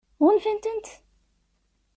Ɣunfant-tent?